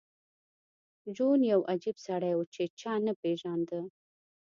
جون یو عجیب سړی و چې چا نه پېژانده